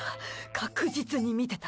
確実に見てた。